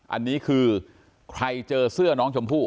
อันนี้คือใครเจอเสื้อน้องชมพู่